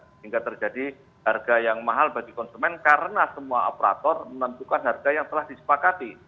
sehingga terjadi harga yang mahal bagi konsumen karena semua operator menentukan harga yang telah disepakati